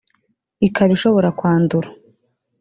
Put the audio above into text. ikaba ishobora kwandura